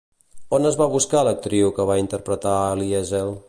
On es va buscar l'actriu que va interpretar a Liesel?